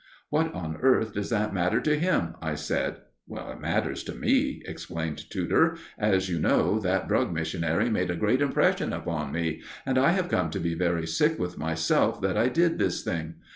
"What on earth does that matter to him?" I said. "It matters to me," explained Tudor. "As you know, that Drug Missionary made a great impression upon me, and I have come to be very sick with myself that I did this thing.